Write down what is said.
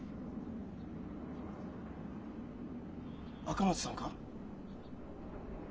赤松さんか？